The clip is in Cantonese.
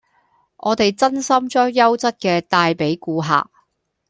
我哋真心將優質嘅帶俾顧客